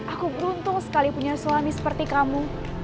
aku beruntung sekali punya suami seperti kamu